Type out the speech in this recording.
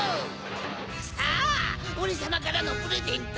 さぁオレさまからのプレゼントだ！